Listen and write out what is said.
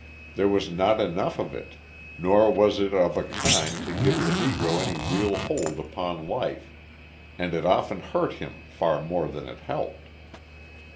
There was not enough of it, nor was it of a kind to give the Negro any real hold upon life, and it often hurt him far more than it helped.